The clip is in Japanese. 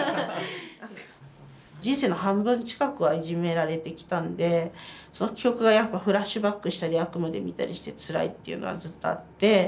人生の半分近くはいじめられてきたんでその記憶がやっぱフラッシュバックしたり悪夢で見たりしてつらいっていうのはずっとあって。